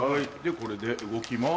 これで動きます。